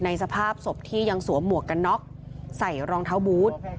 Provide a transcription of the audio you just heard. สภาพศพที่ยังสวมหมวกกันน็อกใส่รองเท้าบูธ